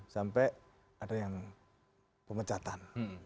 sampai ada yang pemecatan